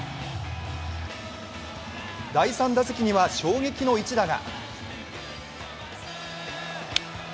第３打席には衝撃の一打が。